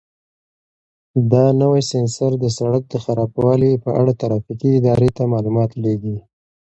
دا نوی سینسر د سړک د خرابوالي په اړه ترافیکي ادارې ته معلومات لېږي.